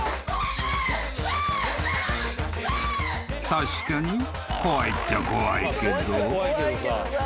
［確かに怖いっちゃ怖いけど］